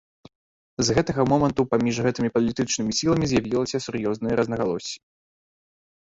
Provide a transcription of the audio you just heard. З гэтага моманту паміж гэтымі палітычнымі сіламі з'явіліся сур'ёзныя рознагалоссі.